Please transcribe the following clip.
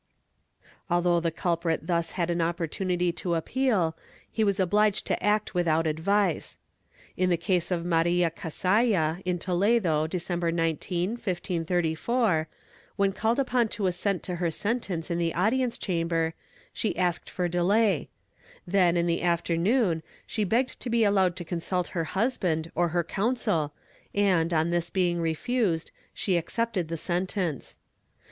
^ Although the culprit thus had an oppor tunity to appeal, he was obliged to act without advice. In the case of Maria Cazalla, in Toledo, December 19, 1534, when called upon to assent to her sentence in the audience chamber, she asked for delay; then, in the afternoon, she begged to be allowed to consult her husband or her counsel and, on this being refused, she accepted the sentence.